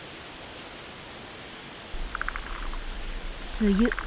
梅雨。